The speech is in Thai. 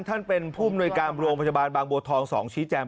ท่านเป็นผู้มนวยการโรงพยาบาลบางบัวทอง๒ชี้แจง